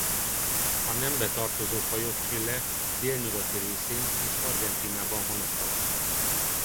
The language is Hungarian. A nembe tartozó fajok Chile délnyugati részén és Argentínában honosak.